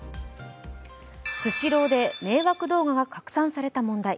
スシローで迷惑動画が拡散された問題。